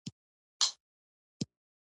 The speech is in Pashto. د هغو عمومي خواص څه شی دي؟